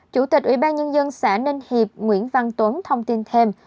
chủ tịch ủy ban nhân dân xã ninh hiệp nguyễn văn tuấn thông tin thêm